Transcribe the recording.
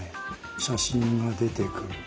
写真が出てくる。